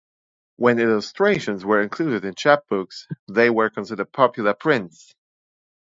When illustrations were included in chapbooks, they were considered popular prints.